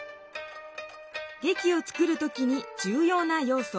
劇を作る時に重要な要素。